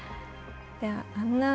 あんな